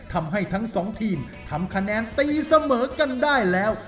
ทำให้ทั้งสองทีมทำคะแนนตีเสมอกันได้แล้ว